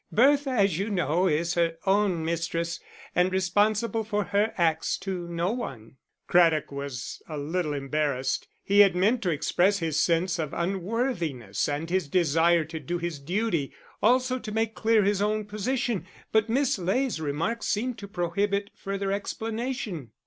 "Bertha, as you know, is her own mistress, and responsible for her acts to no one." Craddock was a little embarrassed; he had meant to express his sense of unworthiness and his desire to do his duty, also to make clear his own position, but Miss Ley's remark seemed to prohibit further explanation.